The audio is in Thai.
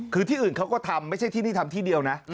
คือที่อื่นเขาก็ทำไม่ใช่ที่นี่ทำที่เดียวนะ